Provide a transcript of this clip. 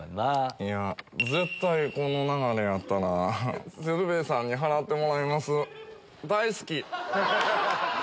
絶対この流れやったら鶴瓶さんに払ってもらいます。